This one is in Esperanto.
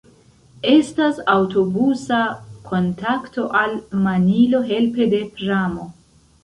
Estas aŭtobusa kontakto al Manilo helpe de pramo.